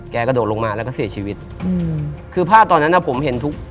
กระโดดลงมาแล้วก็เสียชีวิตอืมคือภาพตอนนั้นอ่ะผมเห็นทุก